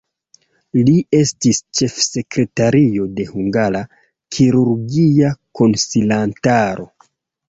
Li estis ĉefsekretario de Hungara Kirurgia Konsilantaro.